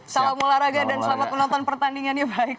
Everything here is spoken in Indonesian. salam olahraga dan selamat menonton pertandingannya baik